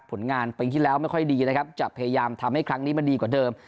ผลงานปีที่แล้วไม่ค่อยดีนะครับจะพยายามทำให้ครั้งนี้มันดีกว่าเดิม